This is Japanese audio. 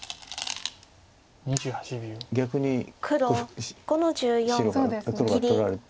逆に黒が取られて。